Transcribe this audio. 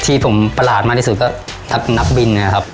ที่ผมประหลาดมากที่สุดก็นักบินเนี่ยครับ